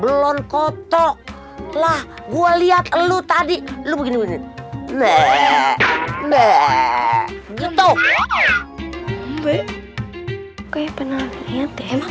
belon kotok lah gua lihat lu tadi lu gini gini eh beh gitu kayak penapanya